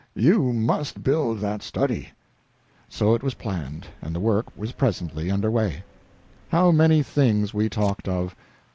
You must build that study." So it was planned, and the work was presently under way. How many things we talked of!